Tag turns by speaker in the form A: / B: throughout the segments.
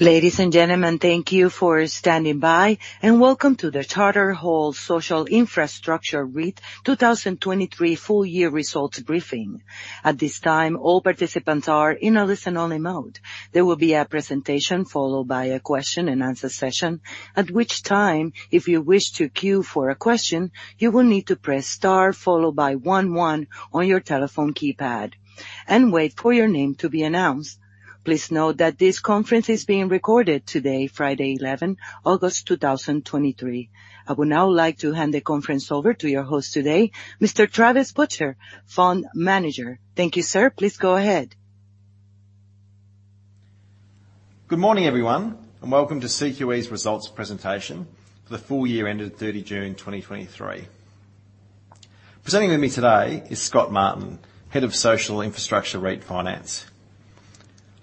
A: Ladies and gentlemen, thank you for standing by, welcome to the Charter Hall Social Infrastructure REIT 2023 full year results briefing. At this time, all participants are in a listen-only mode. There will be a presentation followed by a question and answer session, at which time, if you wish to queue for a question, you will need to press Star, followed by 1, 1 on your telephone keypad and wait for your name to be announced. Please note that this conference is being recorded today, Friday, August 11th, 2023. I would now like to hand the conference over to your host today, Mr. Travis Butcher, Fund Manager. Thank you, sir. Please go ahead.
B: Good morning, everyone. Welcome to CQE's results presentation for the full year ended June 30, 2023. Presenting with me today is Scott Martin, Head of Social Infrastructure REIT Finance.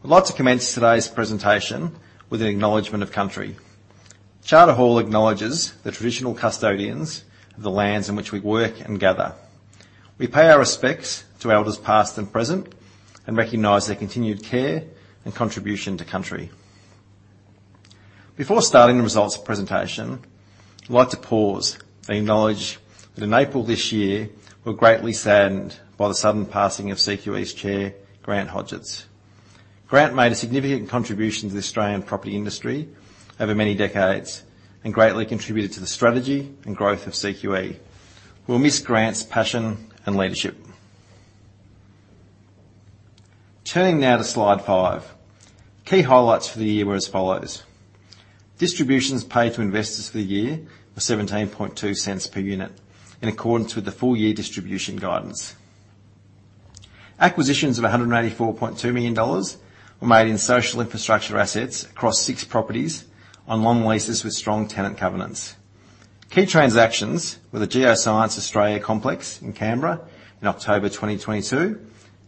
B: I'd like to commence today's presentation with an acknowledgment of country. Charter Hall acknowledges the traditional custodians of the lands in which we work and gather. We pay our respects to elders past and present, and recognize their continued care and contribution to country. Before starting the results presentation, I'd like to pause and acknowledge that in April this year, we were greatly saddened by the sudden passing of CQE's Chair, Grant Hodgetts. Grant made a significant contribution to the Australian property industry over many decades and greatly contributed to the strategy and growth of CQE. We'll miss Grant's passion and leadership. Turning now to slide 5. Key highlights for the year were as follows: distributions paid to investors for the year were 0.172 per unit, in accordance with the full-year distribution guidance. Acquisitions of AUD 184.2 million were made in social infrastructure assets across 6 properties on long leases with strong tenant covenants. Key transactions were the Geoscience Australia Complex in Canberra in October 2022,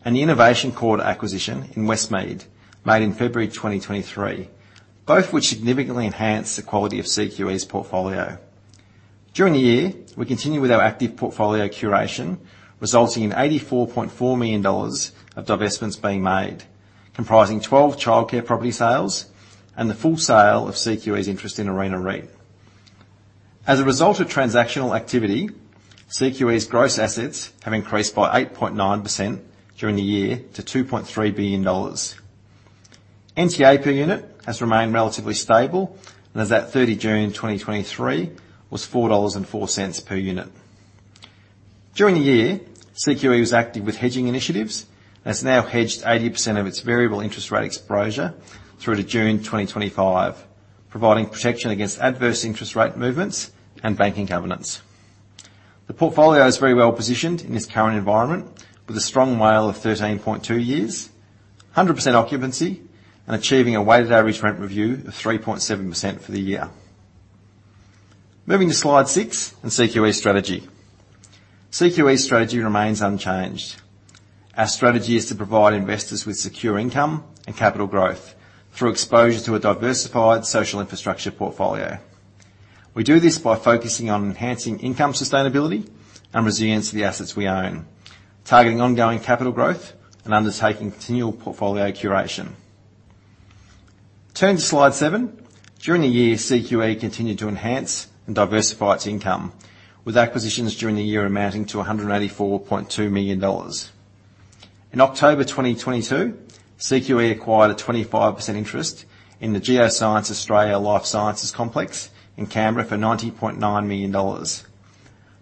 B: and the Innovation Quarter acquisition in Westmead, made in February 2023, both which significantly enhanced the quality of CQE's portfolio. During the year, we continued with our active portfolio curation, resulting in AUD 84.4 million of divestments being made, comprising 12 childcare property sales and the full sale of CQE's interest in Arena REIT. As a result of transactional activity, CQE's gross assets have increased by 8.9% during the year to 2.3 billion dollars. NTA per unit has remained relatively stable and as at 30 June 2023, was 4.04 dollars per unit. During the year, CQE was active with hedging initiatives, and has now hedged 80% of its variable interest rate exposure through to June 2025, providing protection against adverse interest rate movements and banking covenants. The portfolio is very well positioned in this current environment, with a strong WALE of 13.2 years, 100% occupancy, and achieving a weighted average rent review of 3.7% for the year. Moving to slide six and CQE's strategy. CQE's strategy remains unchanged. Our strategy is to provide investors with secure income and capital growth through exposure to a diversified social infrastructure portfolio. We do this by focusing on enhancing income sustainability and resilience to the assets we own, targeting ongoing capital growth and undertaking continual portfolio curation. Turning to slide 7. During the year, CQE continued to enhance and diversify its income, with acquisitions during the year amounting to AUD 184.2 million. In October 2022, CQE acquired a 25% interest in the Geoscience Australia Life Sciences Complex in Canberra for 90.9 million dollars.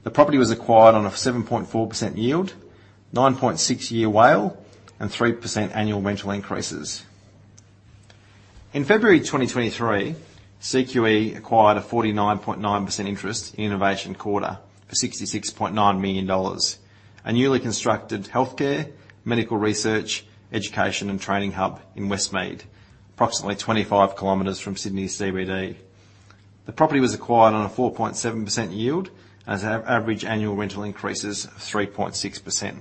B: The property was acquired on a 7.4% yield, 9.6 year WALE, and 3% annual rental increases. In February 2023, CQE acquired a 49.9% interest in Innovation Quarter for AUD 66.9 million. A newly constructed healthcare, medical research, education, and training hub in Westmead, approximately 25 kilometers from Sydney's CBD. The property was acquired on a 4.7% yield and has an average annual rental increases of 3.6%.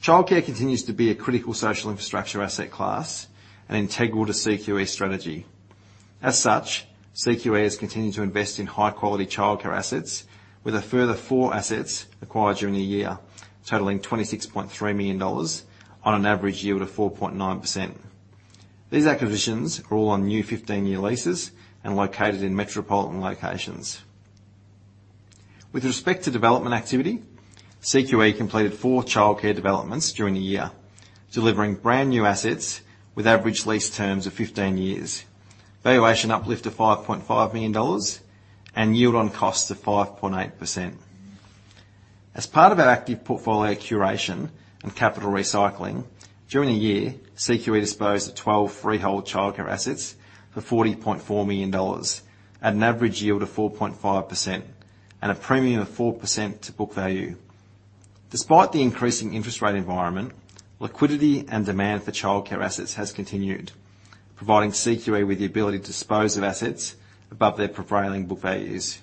B: Childcare continues to be a critical social infrastructure asset class and integral to CQE's strategy. As such, CQE has continued to invest in high-quality childcare assets, with a further four assets acquired during the year, totaling 26.3 million dollars on an average yield of 4.9%. These acquisitions are all on new 15-year leases and located in metropolitan locations. With respect to development activity, CQE completed four childcare developments during the year, delivering brand-new assets with average lease terms of 15 years, valuation uplift of 5.5 million dollars, and yield on costs of 5.8%. As part of our active portfolio curation and capital recycling, during the year, CQE disposed of 12 freehold childcare assets for 40.4 million dollars at an average yield of 4.5% and a premium of 4% to book value. Despite the increasing interest rate environment, liquidity and demand for childcare assets has continued, providing CQE with the ability to dispose of assets above their prevailing book values.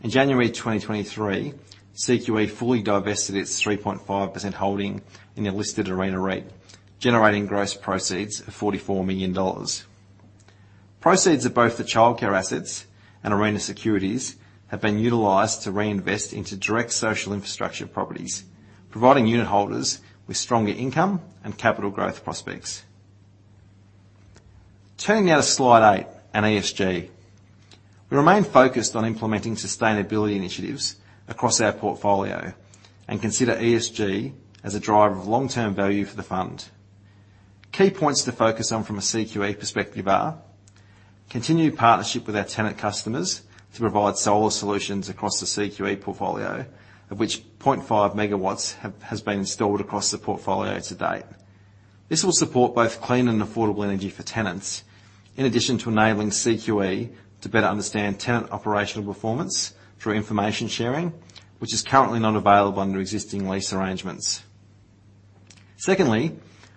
B: In addition, in January 2023, CQE fully divested its 3.5% holding in the unlisted Arena REIT, generating gross proceeds of AUD 44 million. Proceeds of both the childcare assets and Arena Securities have been utilized to reinvest into direct social infrastructure properties, providing unit holders with stronger income and capital growth prospects. Turning now to slide 8 and ESG. We remain focused on implementing sustainability initiatives across our portfolio, and consider ESG as a driver of long-term value for the fund. Key points to focus on from a CQE perspective are: continued partnership with our tenant customers to provide solar solutions across the CQE portfolio, of which 0.5 megawatts has been installed across the portfolio to date. This will support both clean and affordable energy for tenants, in addition to enabling CQE to better understand tenant operational performance through information sharing, which is currently not available under existing lease arrangements. Secondly,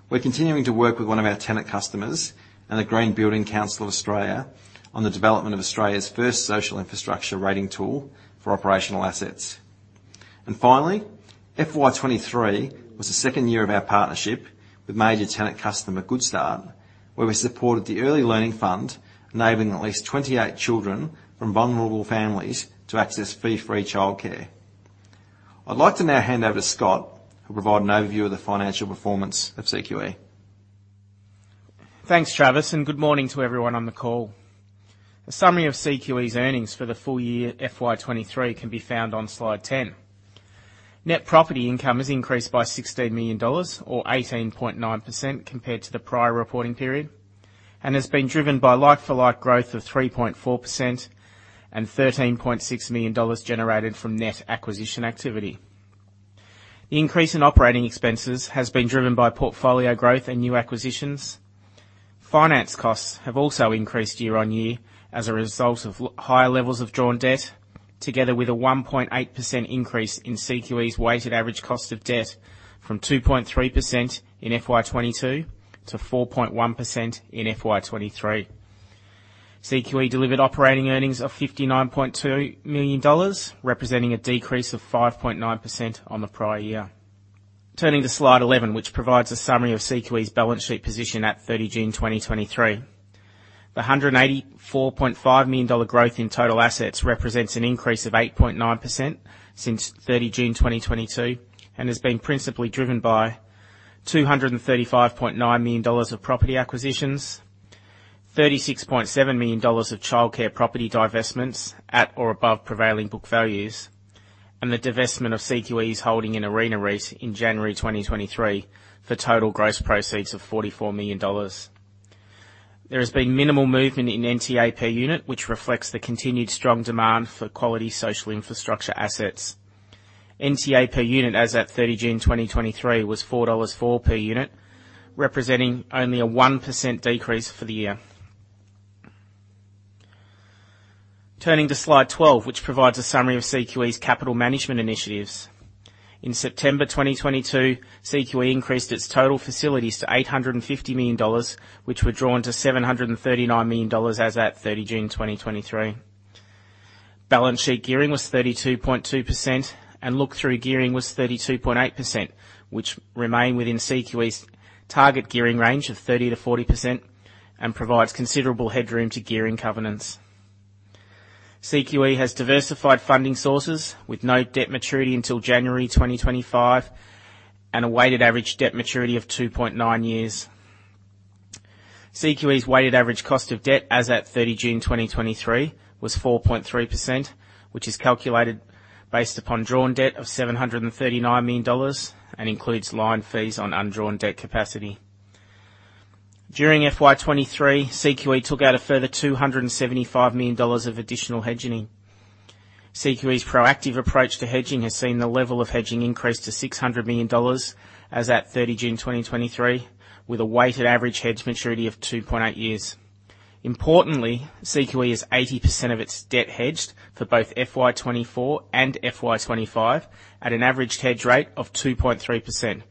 B: we're continuing to work with one of our tenant customers and the Green Building Council of Australia on the development of Australia's first social infrastructure rating tool for operational assets. Finally, FY23 was the second year of our partnership with major tenant customer, Goodstart, where we supported the Early Learning Fund, enabling at least 28 children from vulnerable families to access fee-free childcare. I'd like to now hand over to Scott, who will provide an overview of the financial performance of CQE.
C: Thanks, Travis, and good morning to everyone on the call. A summary of CQE's earnings for the full year FY23 can be found on slide 10. Net property income has increased by AUD 16 million, or 18.9% compared to the prior reporting period, and has been driven by like-for-like growth of 3.4% and 13.6 million dollars generated from net acquisition activity. The increase in operating expenses has been driven by portfolio growth and new acquisitions. Finance costs have also increased year-on-year as a result of higher levels of drawn debt, together with a 1.8% increase in CQE's weighted average cost of debt from 2.3% in FY22 to 4.1% in FY23. CQE delivered operating earnings of AUD 59.2 million, representing a decrease of 5.9% on the prior year. Turning to slide 11, which provides a summary of CQE's balance sheet position at 30 June 2023. The AUD 184.5 million growth in total assets represents an increase of 8.9% since 30 June 2022, and has been principally driven by 235.9 million dollars of property acquisitions, 36.7 million dollars of childcare property divestments at or above prevailing book values, and the divestment of CQE's holding in Arena REIT in January 2023, for total gross proceeds of AUD 44 million. There has been minimal movement in NTA per unit, which reflects the continued strong demand for quality social infrastructure assets. NTA per unit, as at 30 June 2023, was $4.04 per unit, representing only a 1% decrease for the year. Turning to slide 12, which provides a summary of CQE's capital management initiatives. In September 2022, CQE increased its total facilities to $850 million, which were drawn to $739 million as at 30 June 2023. Balance sheet gearing was 32.2%, and look-through gearing was 32.8%, which remain within CQE's target gearing range of 30%-40% and provides considerable headroom to gearing covenants. CQE has diversified funding sources, with no debt maturity until January 2025, and a weighted average debt maturity of 2.9 years. CQE's weighted average cost of debt as at 30 June 2023, was 4.3%, which is calculated based upon drawn debt of 739 million dollars, and includes line fees on undrawn debt capacity. During FY23, CQE took out a further 275 million dollars of additional hedging. CQE's proactive approach to hedging has seen the level of hedging increase to 600 million dollars as at 30 June 2023, with a weighted average hedge maturity of 2.8 years. Importantly, CQE is 80% of its debt hedged for both FY24 and FY25, at an average hedge rate of 2.3%,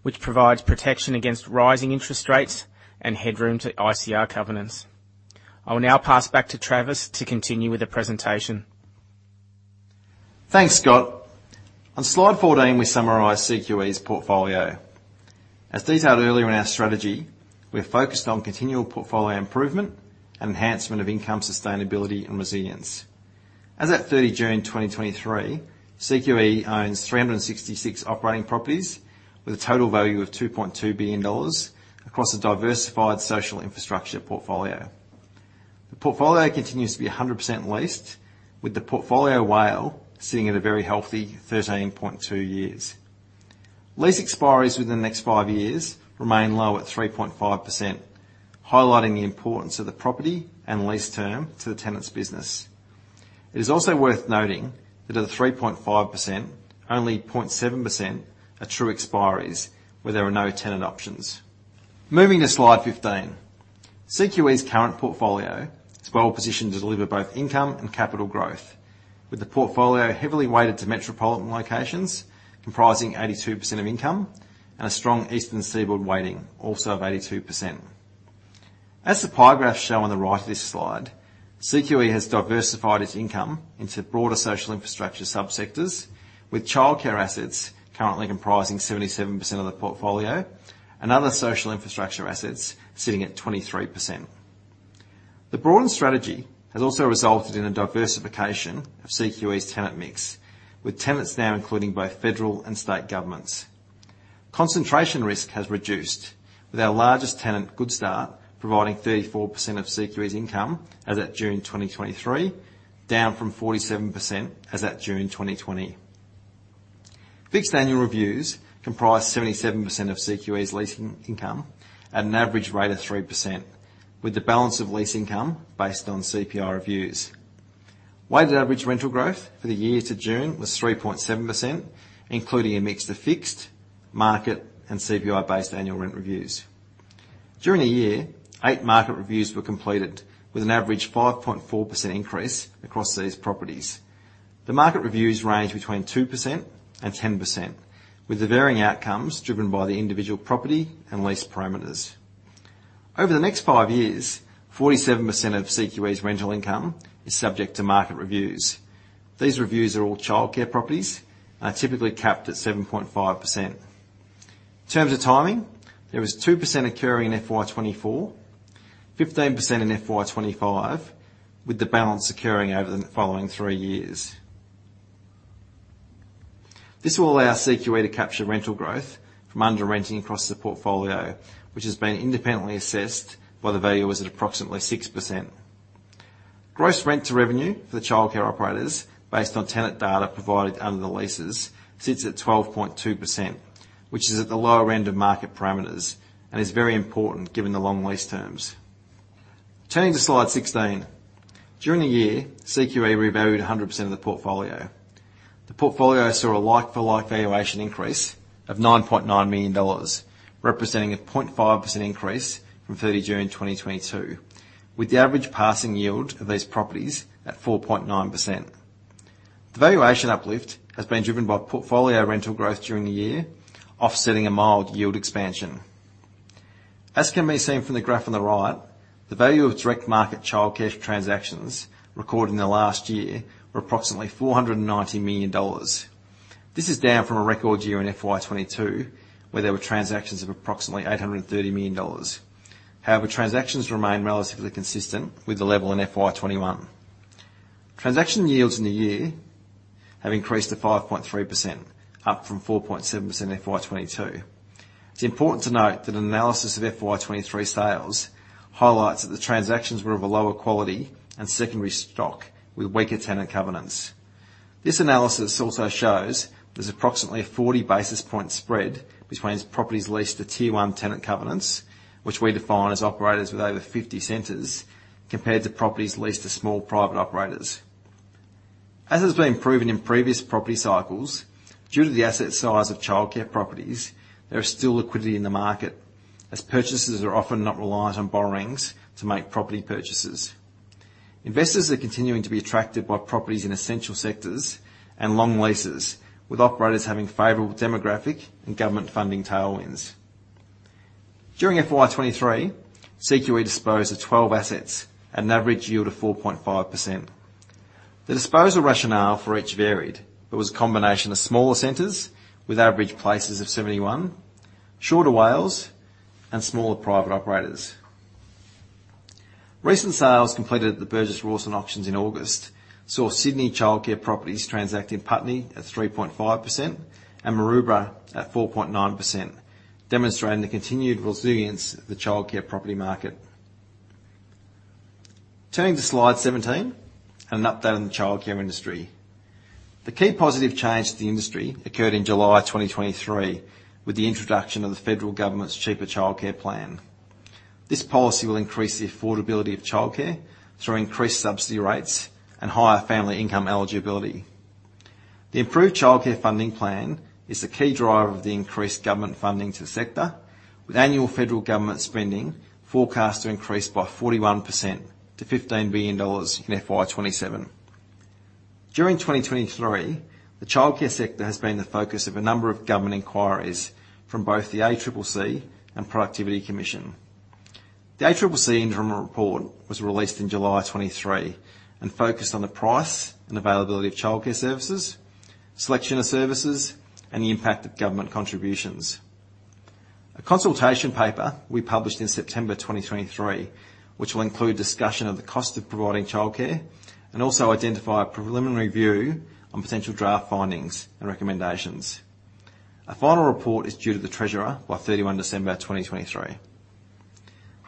C: which provides protection against rising interest rates and headroom to ICR covenants. I will now pass back to Travis to continue with the presentation.
B: Thanks, Scott. On slide 14, we summarize CQE's portfolio. As detailed earlier in our strategy, we are focused on continual portfolio improvement and enhancement of income, sustainability, and resilience. As at 30 June 2023, CQE owns 366 operating properties with a total value of 2.2 billion dollars across a diversified social infrastructure portfolio. The portfolio continues to be 100% leased, with the portfolio WALE sitting at a very healthy 13.2 years. Lease expiries within the next five years remain low at 3.5%, highlighting the importance of the property and lease term to the tenant's business. It is also worth noting that of the 3.5%, only 0.7% are true expiries where there are no tenant options. Moving to slide 15. CQE's current portfolio is well positioned to deliver both income and capital growth, with the portfolio heavily weighted to metropolitan locations, comprising 82% of income, and a strong eastern seaboard weighting, also of 82%. As the pie graphs show on the right of this slide. CQE has diversified its income into broader social infrastructure subsectors, with childcare assets currently comprising 77% of the portfolio and other social infrastructure assets sitting at 23%. The broader strategy has also resulted in a diversification of CQE's tenant mix, with tenants now including both federal and state governments. Concentration risk has reduced, with our largest tenant, Goodstart, providing 34% of CQE's income as at June 2023, down from 47% as at June 2020. Fixed annual reviews comprise 77% of CQE's leasing income at an average rate of 3%, with the balance of lease income based on CPI reviews. Weighted average rental growth for the year to June was 3.7%, including a mix of fixed, market, and CPI-based annual rent reviews. During the year, eight market reviews were completed, with an average 5.4% increase across these properties. The market reviews range between 2% and 10%, with the varying outcomes driven by the individual property and lease parameters. Over the next 5 years, 47% of CQE's rental income is subject to market reviews. These reviews are all childcare properties, are typically capped at 7.5%. In terms of timing, there was 2% occurring in FY24, 15% in FY25, with the balance occurring over the following 3 years. This will allow CQE to capture rental growth from under renting across the portfolio, which has been independently assessed by the valuers at approximately 6%. Gross rent to revenue for the childcare operators, based on tenant data provided under the leases, sits at 12.2%, which is at the lower end of market parameters and is very important given the long lease terms. Turning to slide 16. During the year, CQE revalued 100% of the portfolio. The portfolio saw a like-for-like valuation increase of AUD 9.9 million, representing a 0.5% increase from 30 June 2022, with the average passing yield of these properties at 4.9%. The valuation uplift has been driven by portfolio rental growth during the year, offsetting a mild yield expansion. As can be seen from the graph on the right, the value of direct market childcare transactions recorded in the last year were approximately 490 million dollars. This is down from a record year in FY22, where there were transactions of approximately 830 million dollars. Transactions remain relatively consistent with the level in FY21. Transaction yields in the year have increased to 5.3%, up from 4.7% in FY22. It's important to note that an analysis of FY23 sales highlights that the transactions were of a lower quality and secondary stock with weaker tenant covenants. This analysis also shows there's approximately a 40 basis point spread between properties leased to Tier 1 tenant covenants, which we define as operators with over 50 centers, compared to properties leased to small private operators. As has been proven in previous property cycles, due to the asset size of childcare properties, there is still liquidity in the market, as purchasers are often not reliant on borrowings to make property purchases. Investors are continuing to be attracted by properties in essential sectors and long leases, with operators having favorable demographic and government funding tailwinds. During FY23, CQE disposed of 12 assets at an average yield of 4.5%. The disposal rationale for each varied, but was a combination of smaller centers with average places of 71, shorter WALEs, and smaller private operators. Recent sales completed at the Burgess Rawson auctions in August saw Sydney childcare properties transact in Putney at 3.5% and Maroubra at 4.9%, demonstrating the continued resilience of the childcare property market. Turning to slide 17, an update on the childcare industry. The key positive change to the industry occurred in July 2023, with the introduction of the federal government's Cheaper Child Care. This policy will increase the affordability of childcare through increased subsidy rates and higher family income eligibility. The improved childcare funding plan is the key driver of the increased government funding to the sector, with annual federal government spending forecast to increase by 41% to 15 billion dollars in FY27. During 2023, the childcare sector has been the focus of a number of government inquiries from both the ACCC and Productivity Commission. The ACCC interim report was released in July 2023 and focused on the price and availability of childcare services, selection of services, and the impact of government contributions. A consultation paper we published in September 2023, which will include discussion of the cost of providing childcare and also identify a preliminary view on potential draft findings and recommendations. A final report is due to the Treasurer by 31 December 2023.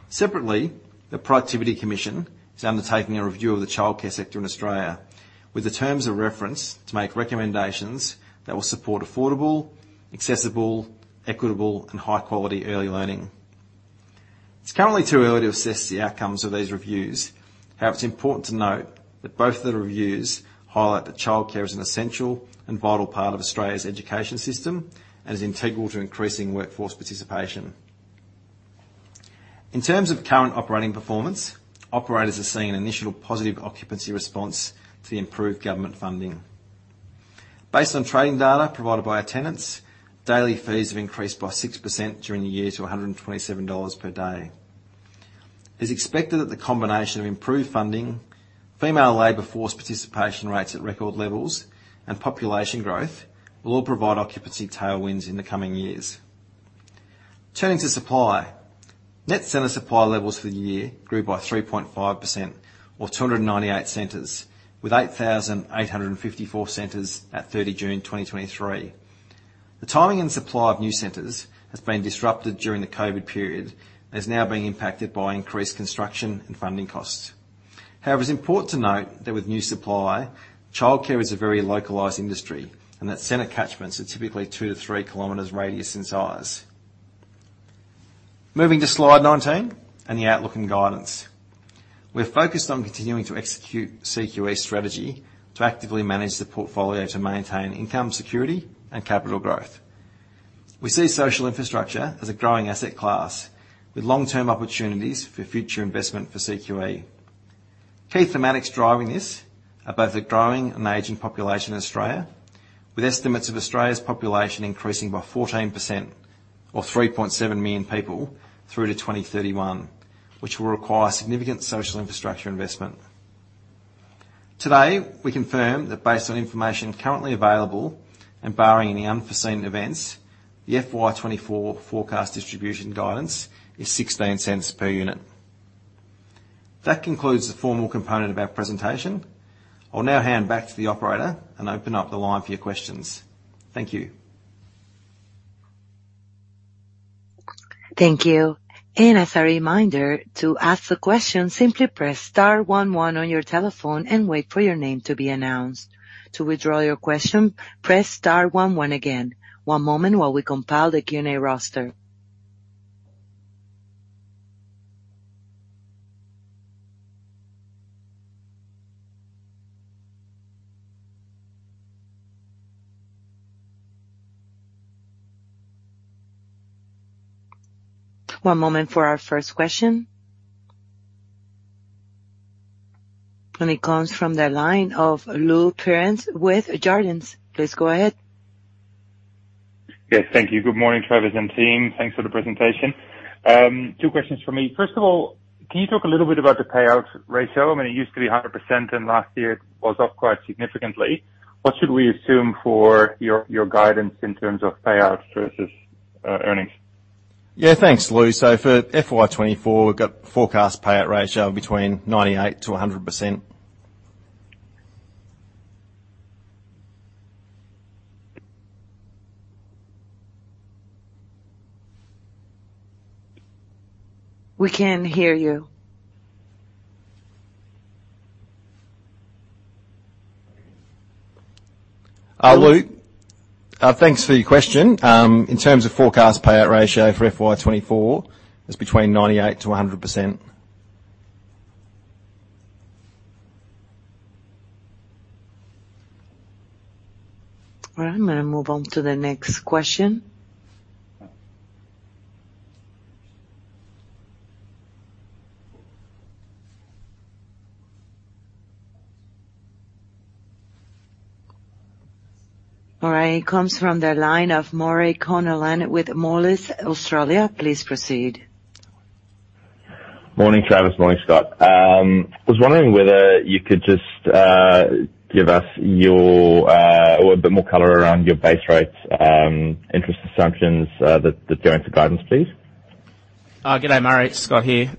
B: Separately, the Productivity Commission is undertaking a review of the childcare sector in Australia, with the terms of reference to make recommendations that will support affordable, accessible, equitable, and high-quality early learning. It's currently too early to assess the outcomes of these reviews. It's important to note that both of the reviews highlight that childcare is an essential and vital part of Australia's education system and is integral to increasing workforce participation. In terms of current operating performance, operators are seeing an initial positive occupancy response to the improved government funding. Based on trading data provided by our tenants, daily fees have increased by 6% during the year to 127 dollars per day. It's expected that the combination of improved funding, female labor force participation rates at record levels, and population growth will all provide occupancy tailwinds in the coming years. Turning to supply. Net center supply levels for the year grew by 3.5% or 298 centers, with 8,854 centers at 30 June 2023. The timing and supply of new centers has been disrupted during the COVID period, and is now being impacted by increased construction and funding costs. However, it's important to note that with new supply, childcare is a very localized industry, and that center catchments are typically 2-3 kilometers radius in size. Moving to Slide 19, and the outlook and guidance. We're focused on continuing to execute CQE strategy to actively manage the portfolio to maintain income security and capital growth. We see social infrastructure as a growing asset class, with long-term opportunities for future investment for CQE. Key thematics driving this are both the growing and aging population in Australia, with estimates of Australia's population increasing by 14% or 3.7 million people through to 2031, which will require significant social infrastructure investment. Today, we confirm that based on information currently available and barring any unforeseen events, the FY24 forecast distribution guidance is 0.16 per unit. That concludes the formal component of our presentation. I'll now hand back to the operator and open up the line for your questions. Thank you.
A: Thank you. As a reminder, to ask the question, simply press star 11 on your telephone and wait for your name to be announced. To withdraw your question, press star 11 again. One moment while we compile the Q&A roster. One moment for our first question. It comes from the line of Lou Pirenc with Jarden. Please go ahead.
D: Yes, thank you. Good morning, Travis and team. Thanks for the presentation. Two questions for me. First of all, can you talk a little bit about the payout ratio? I mean, it used to be 100%, and last year it was off quite significantly. What should we assume for your, your guidance in terms of payouts versus earnings?
B: Yeah, thanks, Lou. For FY24, we've got forecast payout ratio between 98%-100%.
A: We can't hear you.
B: Lou, thanks for your question. In terms of forecast payout ratio for FY24, it's between 98%-100%.
A: All right, I'm gonna move on to the next question. All right, it comes from the line of Murray Connellan with Moelis Australia. Please proceed.
E: Morning, Travis. Morning, Scott. I was wondering whether you could just give us your or a bit more color around your base rates, interest assumptions, the, the going forward guidance, please.
C: Good day, Murray. Scott here.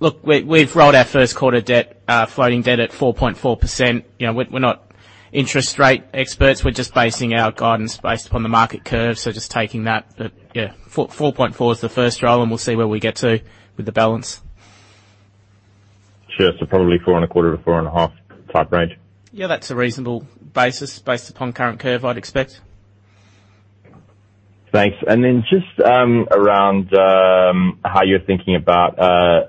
C: Look, we've rolled our first quarter debt, floating debt at 4.4%. You know, we're not interest rate experts, we're just basing our guidance based upon the market curve. Just taking that. But yeah, 4.4 is the first roll, and we'll see where we get to with the balance.
E: Sure. probably 4.25 to 4.5 type range?
C: Yeah, that's a reasonable basis, based upon current curve, I'd expect.
E: Thanks. Just around how you're thinking about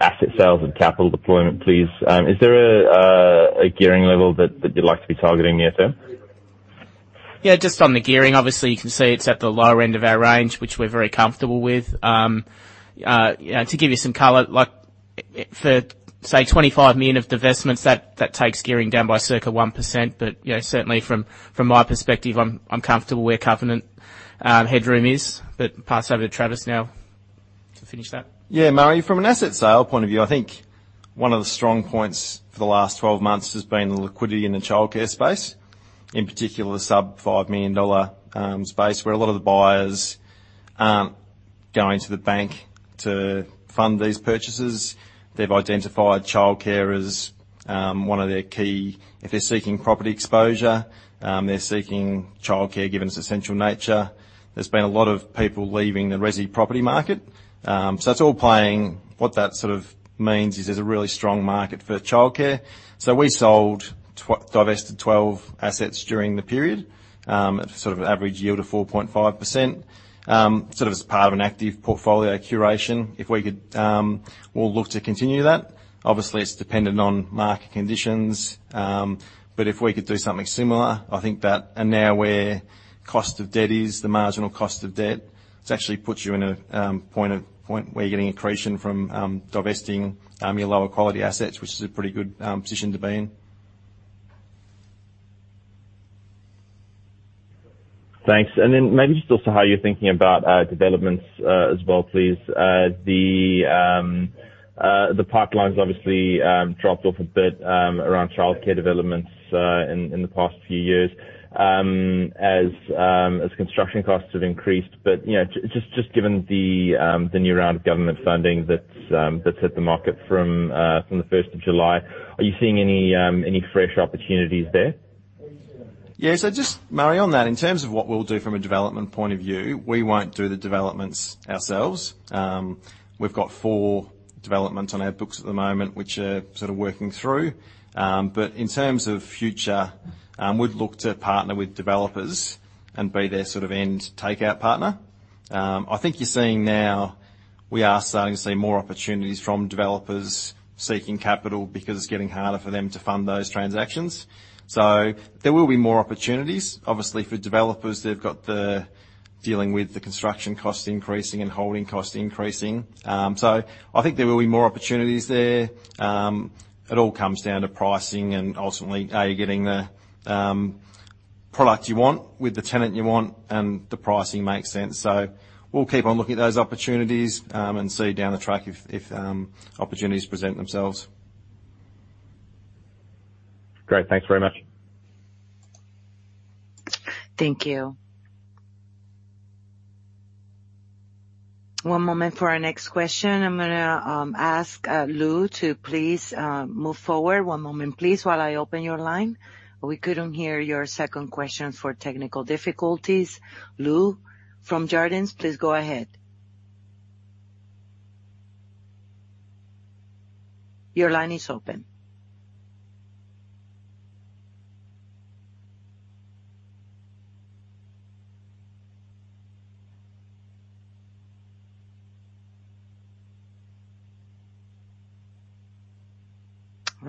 E: asset sales and capital deployment, please. Is there a gearing level that, that you'd like to be targeting near term?
C: Yeah, just on the gearing, obviously you can see it's at the lower end of our range, which we're very comfortable with. You know, to give you some color, like for, say, 25 million of divestments, that, that takes gearing down by circa 1%. You know, certainly from, from my perspective, I'm, I'm comfortable where covenant, headroom is. Pass over to Travis now to finish that.
B: Yeah, Murray, from an asset sale point of view, I think one of the strong points for the last 12 months has been the liquidity in the childcare space, in particular the sub 5 million dollar space, where a lot of the buyers are going to the bank to fund these purchases. They've identified childcare as one of their key. If they're seeking property exposure, they're seeking childcare, given its essential nature. There's been a lot of people leaving the resi property market. That's all playing. What that sort of means is there's a really strong market for childcare. We sold divested 12 assets during the period at sort of an average yield of 4.5%. Sort of as part of an active portfolio curation. If we could, we'll look to continue that. Obviously, it's dependent on market conditions, but if we could do something similar, I think that. Now where cost of debt is, the marginal cost of debt, it's actually puts you in a point where you're getting accretion from divesting your lower quality assets, which is a pretty good position to be in.
E: Thanks. Then maybe just also how you're thinking about developments as well, please. The pipeline's obviously dropped off a bit around childcare developments in the past few years as construction costs have increased. You know, just given the new round of government funding that's hit the market from the 1st of July, are you seeing any fresh opportunities there?
B: Yeah, just, Murray, on that, in terms of what we'll do from a development point of view, we won't do the developments ourselves. We've got four developments on our books at the moment, which we're sort of working through. In terms of future, we'd look to partner with developers and be their sort of end takeout partner. I think you're seeing now we are starting to see more opportunities from developers seeking capital because it's getting harder for them to fund those transactions. There will be more opportunities. Obviously, for developers, they've got the dealing with the construction costs increasing and holding costs increasing. I think there will be more opportunities there. It all comes down to pricing and ultimately, are you getting the product you want with the tenant you want, and the pricing makes sense. We'll keep on looking at those opportunities, and see down the track if, if, opportunities present themselves.
E: Great. Thanks very much.
A: Thank you. One moment for our next question. I'm gonna ask Lou to please move forward. One moment, please, while I open your line. We couldn't hear your second question for technical difficulties. Lou from Jarden, please go ahead. Your line is open.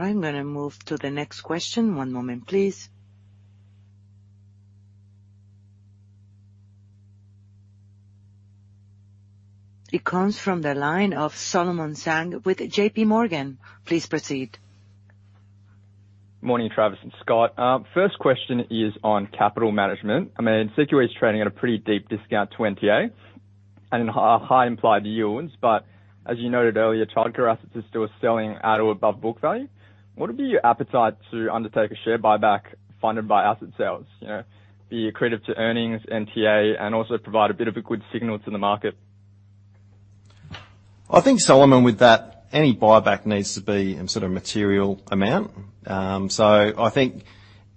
A: All right, I'm gonna move to the next question. One moment, please. It comes from the line of Solomon Zhang with JP Morgan. Please proceed.
F: Morning, Travis and Scott. First question is on capital management. I mean, CQE is trading at a pretty deep discount to NTA and in high implied yields. As you noted earlier, childcare assets are still selling at or above book value. What would be your appetite to undertake a share buyback funded by asset sales? You know, be accretive to earnings, NTA, and also provide a bit of a good signal to the market.
B: I think, Solomon, with that, any buyback needs to be in sort of material amount. I think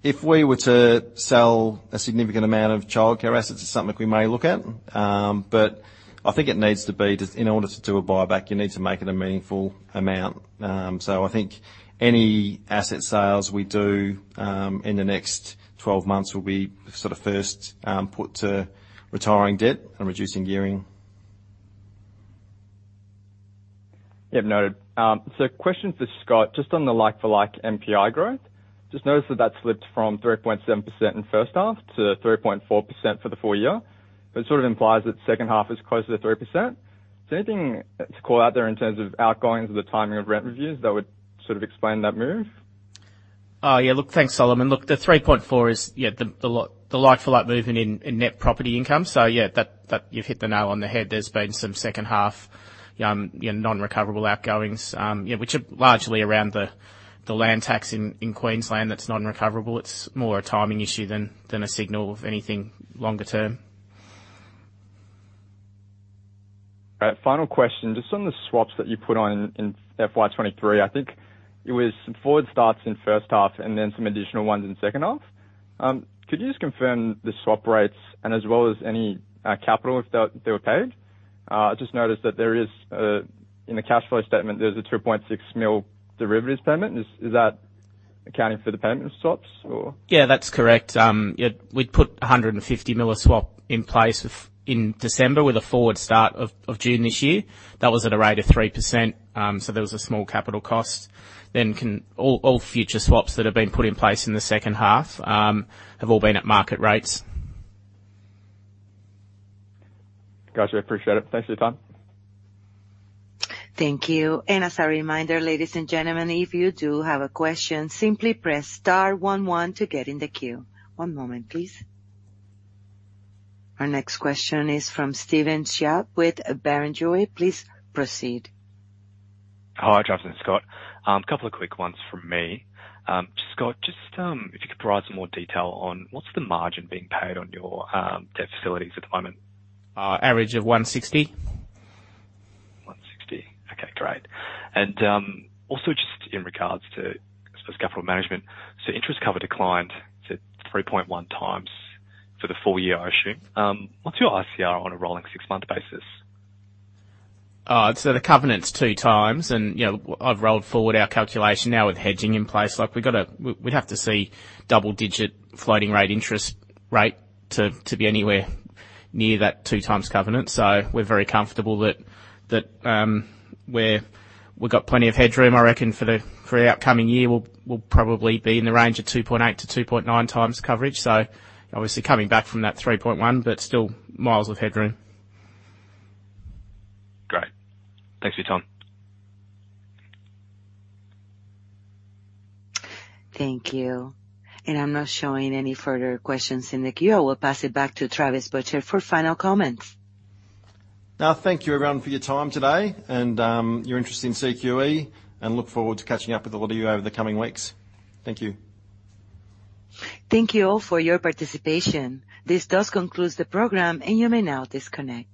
B: if we were to sell a significant amount of childcare assets, it's something we may look at. I think it needs to be, just in order to do a buyback, you need to make it a meaningful amount. I think any asset sales we do, in the next 12 months will be sort of first, put to retiring debt and reducing gearing.
F: Yeah, noted. Question for Scott, just on the like-for-like NPI growth. Just noticed that that slipped from 3.7% in the first half to 3.4% for the full year. It sort of implies that the second half is closer to 3%. Is there anything to call out there in terms of outgoings or the timing of rent reviews that would sort of explain that move?
C: Yeah, look. Thanks, Solomon. Look, the 3.4 is, yeah, the like-for-like movement in net property income. Yeah, that you've hit the nail on the head. There's been some second half, you know, non-recoverable outgoings, yeah, which are largely around the land tax in Queensland that's non-recoverable. It's more a timing issue than a signal of anything longer term.
F: All right. Final question, just on the swaps that you put on in FY23, I think it was some forward starts in the first half and then some additional ones in the second half. Could you just confirm the swap rates and as well as any capital, if they, they were paid? I just noticed that there is in the cash flow statement, there's a 3.6 mil derivatives payment. Is, is that accounting for the payment of swaps or?
C: That's correct. We'd put 150 million of swap in place in December with a forward start in June this year. That was at a rate of 3%, so there was a small capital cost. All future swaps that have been put in place in the second half have all been at market rates.
F: Got you. I appreciate it. Thanks for your time.
A: Thank you. As a reminder, ladies and gentlemen, if you do have a question, simply press star one, one to get in the queue. One moment, please. Our next question is from Steven Tjia with Barrenjoey. Please proceed.
G: Hi, Travis and Scott. A couple of quick ones from me. Scott, just, if you could provide some more detail on what's the margin being paid on your debt facilities at the moment?
C: Average of 160.
G: 160. Okay, great. Also, just in regards to, I suppose, capital management, interest cover declined to 3.1 times for the full year, I assume. What's your ICR on a rolling six-month basis?
C: The covenant's 2 times, and, you know, I've rolled forward our calculation now with hedging in place. Like, we've got to. We, we'd have to see double-digit floating rate interest rate to, to be anywhere near that 2 times covenant. We're very comfortable that, that we've got plenty of headroom. I reckon for the, for the upcoming year, we'll, we'll probably be in the range of 2.8-2.9 times coverage. Obviously coming back from that 3.1, but still miles of headroom.
G: Great. Thanks for your time.
A: Thank you. I'm not showing any further questions in the queue. I will pass it back to Travis Butcher for final comments.
B: Thank you everyone for your time today and your interest in CQE. Look forward to catching up with a lot of you over the coming weeks. Thank you.
A: Thank you all for your participation. This does conclude the program, and you may now disconnect.